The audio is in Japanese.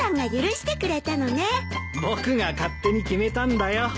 僕が勝手に決めたんだよ。